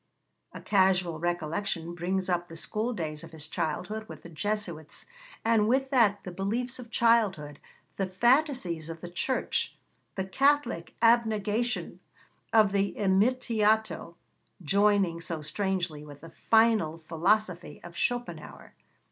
A casual recollection brings up the schooldays of his childhood with the Jesuits, and with that the beliefs of childhood, the fantasies of the Church, the Catholic abnegation of the Imitatio joining so strangely with the final philosophy of Schopenhauer.